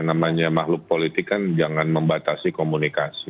namanya makhluk politik kan jangan membatasi komunikasi